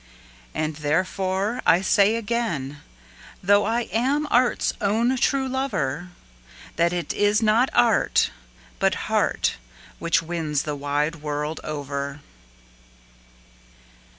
And therefore I say again, though I am art's own true lover, That it is not art, but heart, which wins the wide world over.